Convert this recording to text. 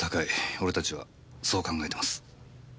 俺たちはそう考えてます。